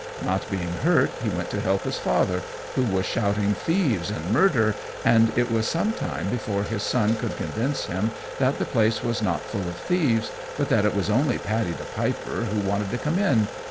Not being hurt, he went to help his father, who was shouting thieves and murder, and it was some time before his son could convince him that the place was not full of thieves, but that it was only Paddy the Piper who wanted to come in.